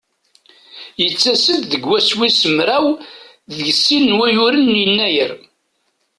Yettas-d deg wass wis mraw d sin n wayyur n Yennayer.